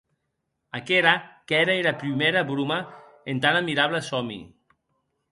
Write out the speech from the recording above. Aquera qu’ère era prumèra broma en tant admirable sòmi.